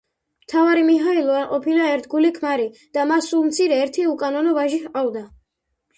მთავარი მიჰაილო არ ყოფილა ერთგული ქმარი და მას სულ მცირე ერთი უკანონო ვაჟი ჰყავდა.